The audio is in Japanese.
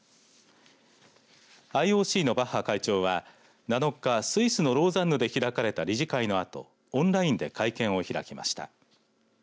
ＩＯＣのバッハ会長は７日スイスのローザンヌで開かれた理事会のあとオンラインで会見を開きました。